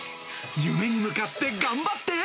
夢に向かって頑張って！